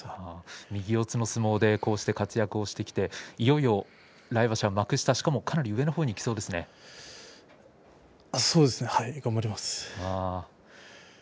右四つの相撲でこうして活躍してきて、いよいよ来場所は幕下、しかも上のほうにそうですね、はい。頑張ります。